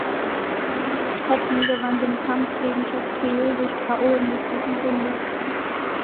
Hatton gewann den Kampf gegen Castillo durch Ko in der vierten Runde.